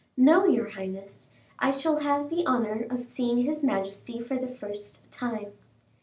"No, your highness; I shall have the honor of seeing his majesty for the first time."